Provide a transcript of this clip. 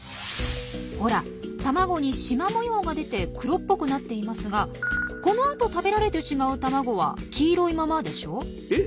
ほら卵にしま模様が出て黒っぽくなっていますがこのあと食べられてしまう卵は黄色いままでしょ？え？